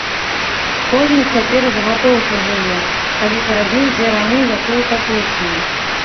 Кожны цяпер з гатоўкі жыве, калі зарабіў дзе раней якую капейчыну.